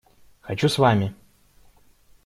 Хочу с вами!